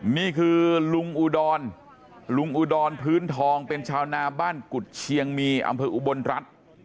นี่คือลุงอุดรลุงอุดรพื้นทองเป็นชาวนาบ้านกุฎเชียงมีอำเภออุบลรัฐ